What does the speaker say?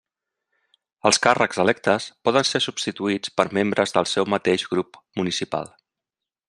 Els càrrecs electes poden ser substituïts per membres del seu mateix grup municipal.